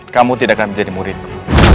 kamu tidak akan menjadi muridku